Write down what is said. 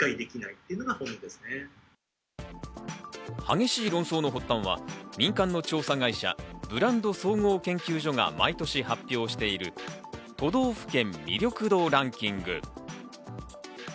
激しい論争の発端は民間の調査会社、ブランド総合研究所が毎年発表している都道府県魅力度ランキング。